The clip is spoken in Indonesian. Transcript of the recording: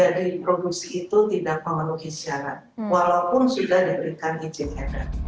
jadi produksi itu tidak memenuhi syarat walaupun sudah diberikan izinnya